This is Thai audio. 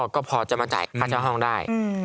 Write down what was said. ก็พอจะมาจ่ายค่าเช่าห้องได้